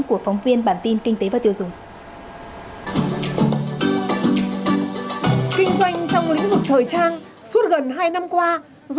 của phóng viên bản tin kinh tế và tiêu dùng